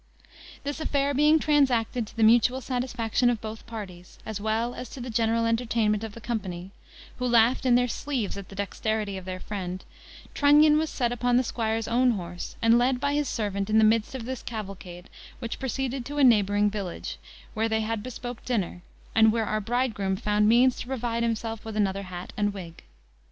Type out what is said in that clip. This affair being transacted to the mutual satisfaction of both parties, as well as to the general entertainment of the company, who laughed in their sleeves at the dexterity of their friend, Trunnion was set upon the squire's own horse, and led by his servant in the midst of this cavalcade, which proceeded to a neighbouring village, where they had bespoke dinner, and where our bridegroom found means to provide himself with another hat and wig.